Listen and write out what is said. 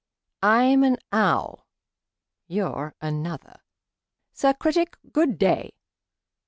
I'm an owl; you're another. Sir Critic, good day!"